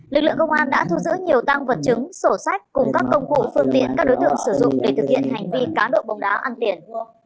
lực lượng công an đã thu giữ nhiều tăng vật chứng sổ sách cùng các công cụ phương tiện các đối tượng sử dụng để thực hiện hành vi cá độ bóng đá ăn tiền